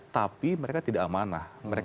tapi mereka tidak amanah